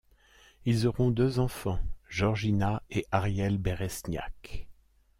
Ils auront deux enfants Georgina et Ariel Béresniak.